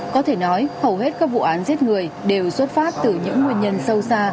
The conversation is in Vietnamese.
có thể nói hầu hết các vụ án giết người đều xuất phát từ những nguyên nhân sâu xa